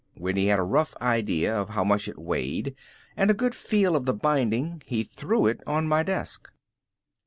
When he had a rough idea of how much it weighed and a good feel of the binding he threw it on my desk.